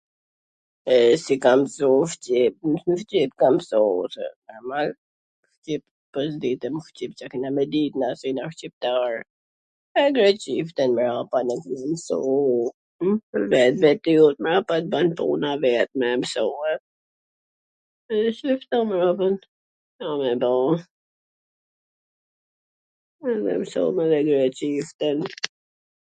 E si kam msu shqip? Shqip kam msu..., a mor, po s ditwm shqip, Ca kena me dit na, se jena shqiptaaar, e greqishten mrapa, msuu, vetvetiut mrapa t ban puna vet me e msue, edhe qashtu mrapa, Ca me ba? edhe e msova edhe greqishten.